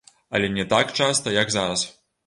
Але не так часта, як зараз.